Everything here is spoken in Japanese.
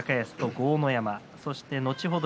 豪ノ山後ほど